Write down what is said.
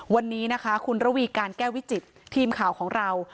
วันนี้นะคะคุณระวีการแก้ววิจิตทีมข่าวของเรา